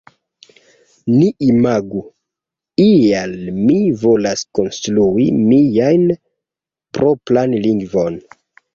Ni imagu, ial mi volas konstrui mian propran lingvon.